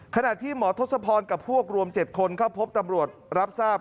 ขณะที่หมอทศพรกับพวกรวม๗คนเข้าพบตำรวจรับทราบ